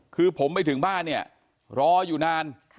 คือผมไปถึงบ้านเนี่ยรออยู่นาน